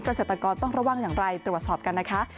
เกษตรกรต้องระวังอย่างไรตรวจสอบกันนะคะ